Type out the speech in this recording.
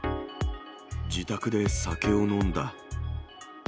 自宅で酒を飲んだ。